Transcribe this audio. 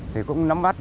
thì cũng nắm mắt